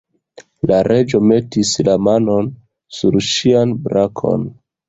La Reĝo metis la manon sur ŝian brakon.